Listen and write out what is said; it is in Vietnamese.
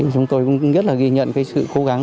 chúng tôi cũng rất là ghi nhận cái sự cố gắng